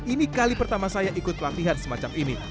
ini kali pertama saya ikut pelatihan semacam ini